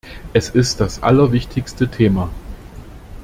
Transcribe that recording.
Es ist das allerwichtigste Thema.